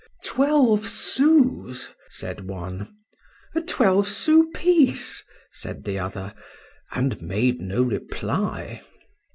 —Twelve sous! said one.—A twelve sous piece! said the other,—and made no reply.